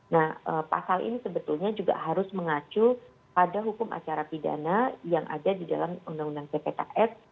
nah pasal ini sebetulnya juga harus mengacu pada hukum acara pidana yang ada di dalam undang undang ppks